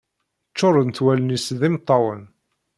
Ččurent wallen-is d imeṭṭawen.